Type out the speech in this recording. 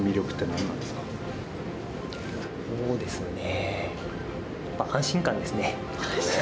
そうですね。